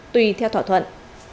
tùy theo thỏa thuận